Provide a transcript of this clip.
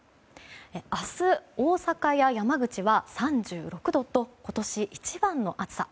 明日、大阪や山口は３６度と今年一番の暑さ。